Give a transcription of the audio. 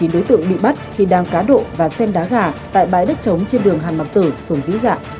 hai mươi chín đối tượng bị bắt khi đang cá độ và xem đá gà tại bãi đất trống trên đường hàn mạc tử phường vĩ dạ